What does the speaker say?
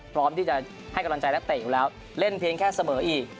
พร้อมที่จะให้กำลังใจนักเตะอยู่แล้วเล่นเพียงแค่เสมออีก